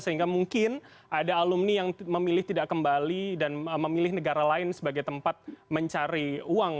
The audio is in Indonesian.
sehingga mungkin ada alumni yang memilih tidak kembali dan memilih negara lain sebagai tempat mencari uang